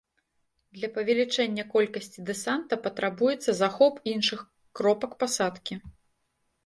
Для павелічэння колькасці дэсанта патрабуецца захоп іншых кропак пасадкі.